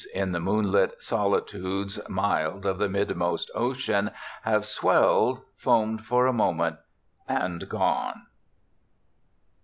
In the moonlit solitudes mild Of the midmost ocean, have swelled, Foam'd for a moment, and gone.